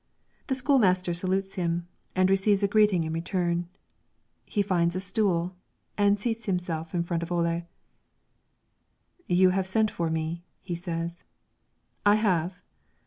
The school master salutes him, and receives a greeting in return; he finds a stool, and seats himself in front of Ole. "You have sent for me," he says. "I have."